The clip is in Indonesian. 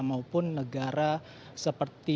maupun negara seperti